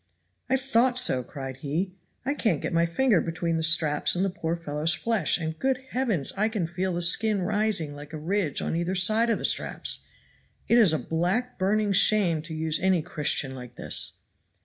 "I thought so," cried he; "I can't get my finger between the straps and the poor fellow's flesh, and, good heavens I can feel the skin rising like a ridge on each side of the straps; it is a black, burning shame to use any Christian like this."